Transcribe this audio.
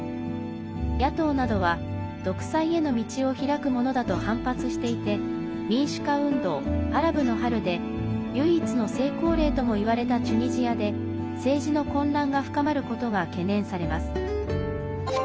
野党などは独裁への道を開くものだと反発していて民主化運動、アラブの春で唯一の成功例ともいわれたチュニジアで政治の混乱が深まることが懸念されます。